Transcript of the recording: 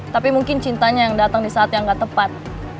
tapi mungkin cintanya yang datang di saat yang nggak tepat